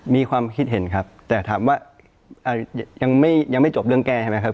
มีความคิดเห็นครับแต่ถามว่ายังไม่จบเรื่องแก้ใช่ไหมครับ